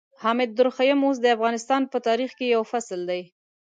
حامد درخيم اوس د افغانستان په تاريخ کې يو فصل دی.